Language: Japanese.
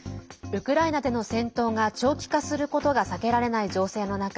ウクライナでの戦闘が長期化することが避けられない情勢の中